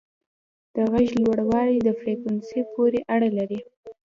د غږ لوړوالی د فریکونسي پورې اړه لري.